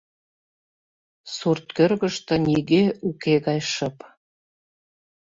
Сурткӧргыштӧ нигӧ уке гай шып.